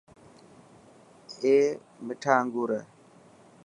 اي مٺا انگور هي.